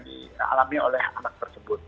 di alami oleh anak tersebut